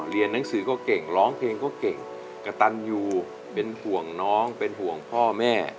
เรียนหนังสือก็เก่งร้องเพลงก็เก่งกระตันอยู่เป็นห่วงน้องเป็นห่วงพ่อแม่